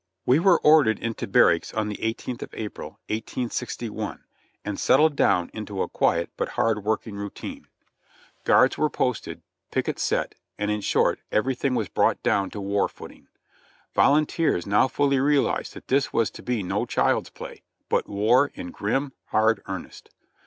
We were ordered into barracks on the i8th of April, 1861, and settled down into a quiet but hard working routine. Guards 24 JOHNNY R^B AND BILI.Y YANK were posted, pickets set, and in short, everything was brought down to war footing. Volunteers now fully realized that this was to be no child's play, but war in grim, hard earnest.